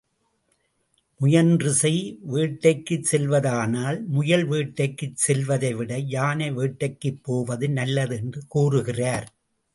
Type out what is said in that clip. முயன்று செய், வேட்டைக்குச் செல்வதானால் முயல் வேட்டைக்குச் செல்வதைவிட யானை வேட்டைக்குப் போவது நல்லது என்று கூறுகிறார்.